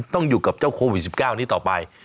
ต้องอยู่กับเจ้าโควิด๑๙นี้ต่อไป